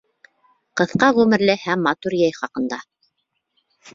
Ҡыҫҡа ғүмерле һәм матур йәй хаҡында.